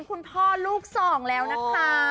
คุณพ่อลูกสองแล้วนะคะ